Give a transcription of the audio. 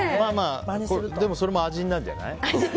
でもそれも味になるんじゃない？